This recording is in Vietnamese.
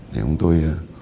để chúng tôi